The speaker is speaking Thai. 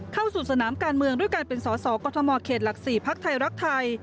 เข้าสู่สนามการเมืองด้วยการเป็นสอสอกรทมเขตหลัก๔พักไทยรักไทย